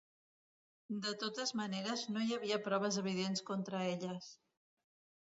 De totes maneres no hi havia proves evidents contra elles.